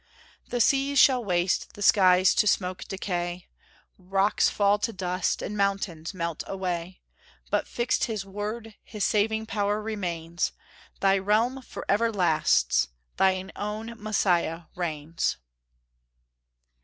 The seas shall waste, the skies to smoke decay, Rocks fall to dust, and mountains melt away; But fixed His word, His saving power remains: Thy realm forever lasts; thy own Messiah reigns!"